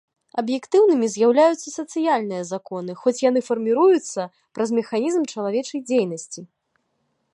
Аб'ектыўнымі з'яўляюцца сацыяльныя законы, хоць яны фарміруюцца праз механізм чалавечай дзейнасці.